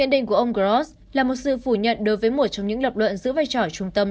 định của ông gross là một sự phủ nhận đối với một trong những lập luận giữ vai trò trung tâm